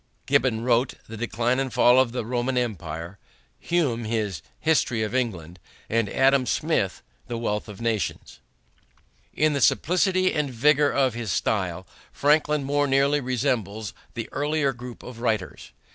Gibbon wrote The Decline and Fall of the Roman Empire, Hume his History of England, and Adam Smith the Wealth of Nations. In the simplicity and vigor of his style Franklin more nearly resembles the earlier group of writers.